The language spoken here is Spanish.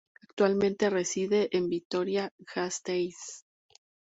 Actualmente reside en Vitoria-Gasteiz.